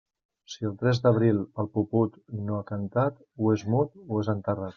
Si el tres d'abril el puput no ha cantat, o és mut o és enterrat.